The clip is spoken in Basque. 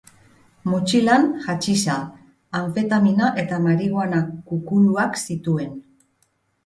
Motxilan haxixa, anfetamina eta marihuana kukuluak zituen.